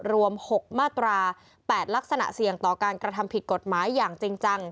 รวม๖มาตรา๘ลักษณะเสี่ยงต่อการกระทำผิดกฎหมายอย่างจริงจัง